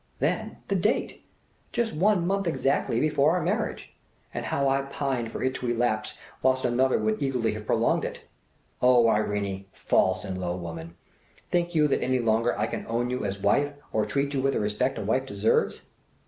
"Then, the date! Just one month exactly before our marriage; and how I pined for it to elapse whilst another would eagerly have prolonged it. Oh, Irene! false and low woman! Think you that any longer I can own you as wife or treat you with the respect a wife deserves!"